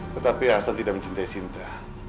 tetapi hasan tidak mencintai cinta